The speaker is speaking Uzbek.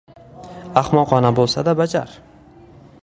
Ahmoqona bo‘lsa-da, bajar.